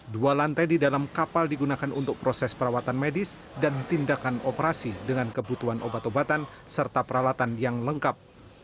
dua lantai di dalam kapal digunakan untuk proses perawatan medis dan tindakan operasi dengan kebutuhan obat obatan serta peralatan yang lengkap